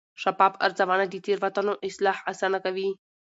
شفاف ارزونه د تېروتنو اصلاح اسانه کوي.